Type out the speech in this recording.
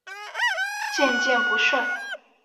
渐渐不顺